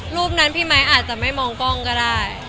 รูปนั้นพี่ไมค์อาจจะไม่มองกล้องก็ได้